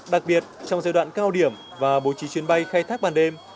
đặc biệt trong giai đoạn cao điểm và bổ trí chuyến bay khai thác bàn đêm